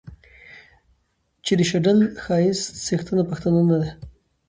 چې د شډل ښايست څښتنه پښتنه نه ده